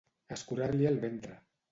Escurar-li el ventre.